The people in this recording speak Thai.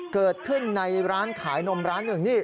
เกิดขึ้นในร้านขายนมร้านหนึ่งนี่